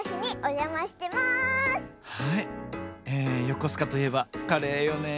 よこすかといえばカレーよね。